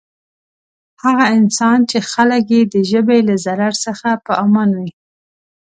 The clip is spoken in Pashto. هغه انسان چی خلک یی د ژبی له ضرر څخه په امان وی.